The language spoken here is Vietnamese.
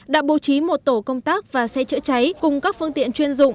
đã bố trí một tổ công tác và xe chữa cháy cùng các phương tiện chuyên dụng